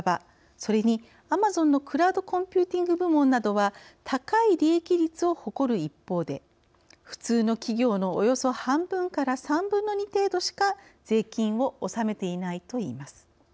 それに、アマゾンのクラウドコンピューティング部門などは、高い利益率を誇る一方で普通の企業のおよそ半分から３分の２程度しか税金を納めていないといいます。